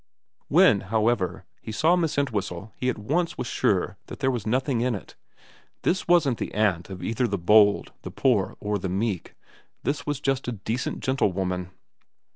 When, however, he saw Miss Entwhistle he at once was sure that there was nothing in it. This wasn't the aunt of either the bold, the poor, or the meek ; this was just a decent gentlewoman.